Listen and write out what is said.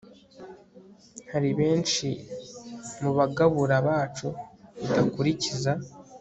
hari benshi mu bagabura bacu badakurikiza